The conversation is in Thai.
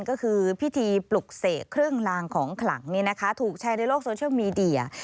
ก็คือพิธีปลุกเสกเครื่องลางของขลังถูกแชร์ในโลกโซเชียลมีเดีย